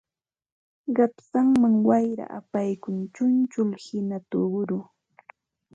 Qapsanman wayra apaykuq chunchullhina tuquru